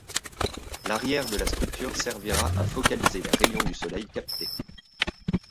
L'arrière de la structure servira à focaliser les rayons du soleil captés.